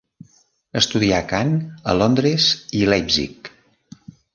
Estudià cant a Londres i Leipzig.